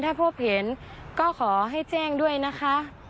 ถ้าพบเห็นก็ขอให้แจ้งด้วยนะคะ